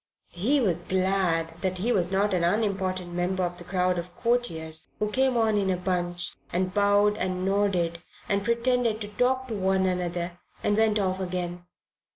He was glad that he was not an unimportant member of the crowd of courtiers who came on in a bunch and bowed and nodded and pretended to talk to one another and went off again.